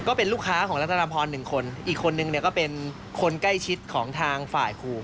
ก็เป็นลูกค้าของรัฐนาพรหนึ่งคนอีกคนนึงเนี่ยก็เป็นคนใกล้ชิดของทางฝ่ายครู